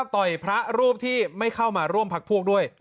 ต่อยพระรูปที่ไม่เข้ามาร่วมพักพวกด้วย